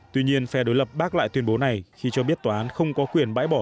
tuy nhiên phe đối lập bác lại tuyên bố này khi cho biết tòa án không có quyền bãi bỏ